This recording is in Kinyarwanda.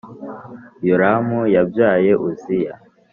Yoramu yabyaye Uziya